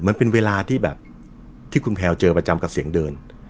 มันเป็นเวลาที่แบบที่คุณแพลวเจอประจำกับเสียงเดิน